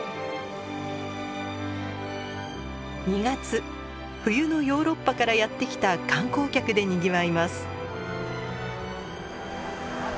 ２月冬のヨーロッパからやって来た観光客でにぎわいます。